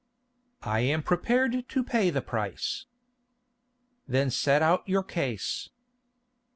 "I am prepared to pay the price." "Then set out your case."